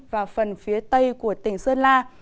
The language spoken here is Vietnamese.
và phần phía tây của tỉnh sơn la